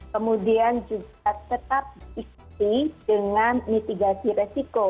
kemudian juga tetap diikuti dengan mitigasi resiko